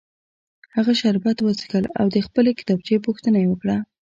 هغه شربت وڅښل او د خپلې کتابچې پوښتنه یې وکړه